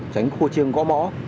tránh khô chiêng gõ mõ